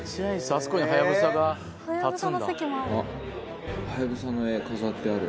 あそこにハヤブサが立つんだ。